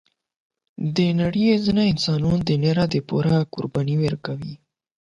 د نړۍ ځینې انسانان د نورو لپاره قرباني ورکوي.